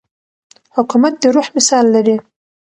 حکومت د روح مثال لري.